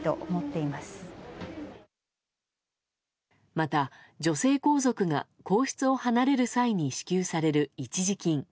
また、女性皇族が皇室を離れる際に支給される一時金。